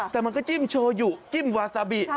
แต่มันก็จิ้มโชยุจิ้มวาซาบิ